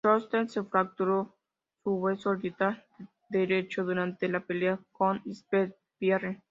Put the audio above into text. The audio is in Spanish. Koscheck se fracturó su hueso orbital derecho durante la pelea con St-Pierre.